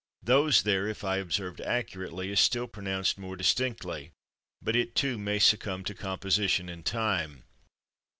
Those there/, if I observed accurately, is still pronounced more distinctly, but it, too, may succumb to composition in time.